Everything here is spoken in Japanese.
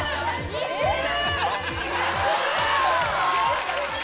似てる！